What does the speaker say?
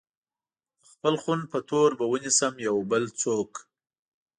د خپل خون په تور به ونيسم يو بل څوک